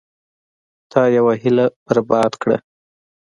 تا یوه هیله برباد کړه.